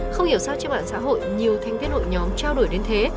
không hiểu sao trên mạng xã hội nhiều thành viên hội nhóm trao đổi đến thế